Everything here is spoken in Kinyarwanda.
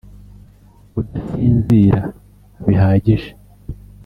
Kudasinzira bihagije